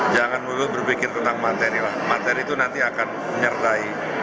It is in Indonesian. jangan berpikir tentang materi lah materi itu nanti akan menyertai